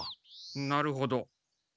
なるほど。